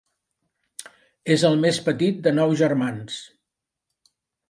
És el més petit de nou germans.